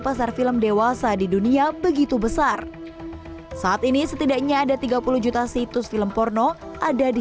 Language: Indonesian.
pasar film dewasa di dunia begitu besar saat ini setidaknya ada tiga puluh juta situs film porno ada di